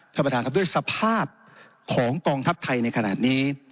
ท่านประธานครับด้วยสภาพของกองทัพไทยในขณะนี้